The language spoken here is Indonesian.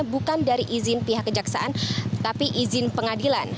bukan dari izin pihak kejaksaan tapi izin pengadilan